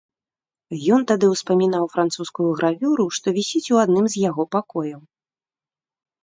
Ён тады ўспамінаў французскую гравюру, што вісіць у адным з яго пакояў.